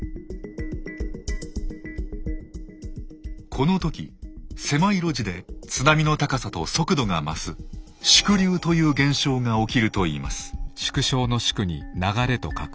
この時狭い路地で津波の高さと速度が増す縮流という現象が起きるといいます。